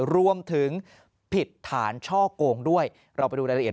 รวมถึงผิดฐานช่อกงด้วยเราไปดูรายละเอียด